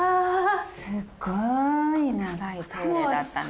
すっごい長いトイレだったね。